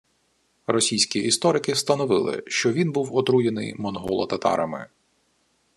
Російські історики встановили, що він був отруєний монголо-татарами